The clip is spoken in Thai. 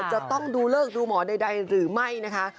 จะต้องดูเลิกดูหมอใดหรือไม่นะคะ